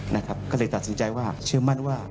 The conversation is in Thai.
นะครับก็เลยตัดสินใจว่าเชื่อมั่นว่า